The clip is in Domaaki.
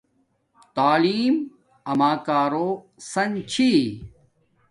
تعلیم اما کارو سن چھی